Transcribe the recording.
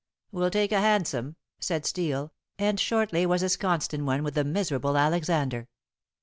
"We'll take a hansom," said Steel, and shortly was ensconced in one with the miserable Alexander.